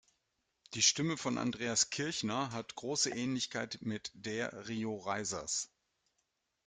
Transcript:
Die Stimme von Andreas Kirchner hat große Ähnlichkeit mit der Rio Reisers.